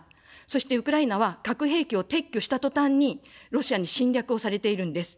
そしてウクライナは核兵器を撤去したとたんに、ロシアに侵略をされているんです。